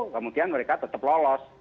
kemudian mereka tetap lolos